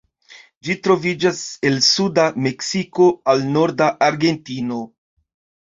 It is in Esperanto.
Ĝi troviĝas el suda Meksiko al norda Argentino.